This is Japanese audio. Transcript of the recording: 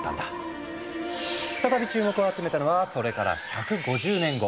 再び注目を集めたのはそれから１５０年後。